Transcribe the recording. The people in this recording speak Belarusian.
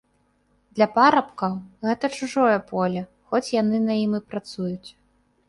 Для парабкоў гэта чужое поле, хоць яны на ім і працуюць.